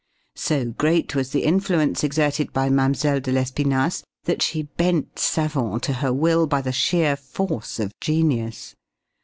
So great was the influence exerted by Mlle. de Lespinasse that she bent savants to her will by the sheer force of genius.